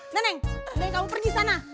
neng neng kamu pergi sana